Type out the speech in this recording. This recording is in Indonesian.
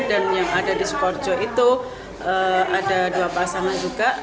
dan yang ada di sukorejo itu ada dua pasangan